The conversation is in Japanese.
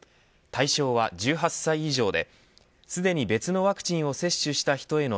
対象は１８歳以上ですでに別のワクチンを接種した人への